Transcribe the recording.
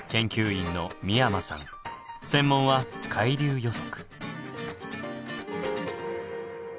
専門は海流予測。